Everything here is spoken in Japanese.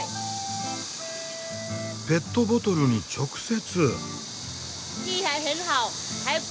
ペットボトルに直接！